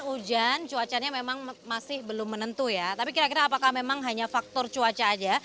hujan cuacanya memang masih belum menentu ya tapi kira kira apakah memang hanya faktor cuaca aja